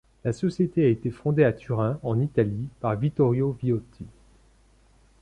La société a été fondée à Turin, en Italie par Vittorio Viotti.